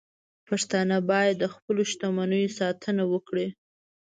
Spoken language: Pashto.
پښتانه باید د خپلو شتمنیو ساتنه وکړي.